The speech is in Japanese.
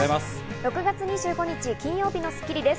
６月２５日、金曜日の『スッキリ』です。